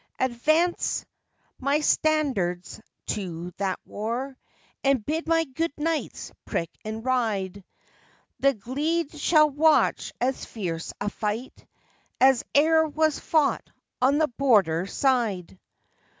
"Advance my standards to that war, And bid my good knights prick and ride; The gled shall watch as fierce a fight As e'er was fought on the Border side!"